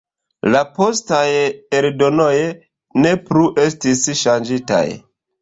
La postaj eldonoj ne plu estis ŝanĝitaj.